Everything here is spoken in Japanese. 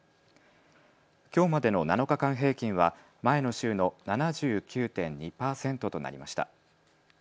きょうまでの７日間平均は前の週の７９．２％となりました。